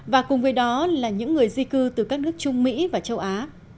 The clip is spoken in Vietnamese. và cùng với đó là những người di cư từ các nước trung mỹ và châu á